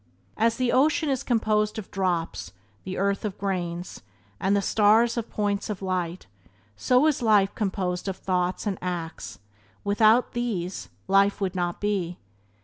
As the ocean is composed of drops, the earth of grains, and the stars of points of light, so is life composed of thoughts and acts; without these, life would not be.